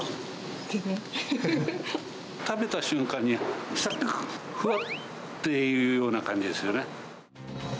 食べた瞬間に、さくっ、ふわっていうような感じでしたよね。